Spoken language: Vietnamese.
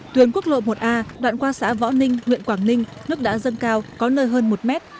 tuyến quốc lộ một a đoạn qua xã võ ninh huyện quảng ninh nước đã dâng cao có nơi hơn một mét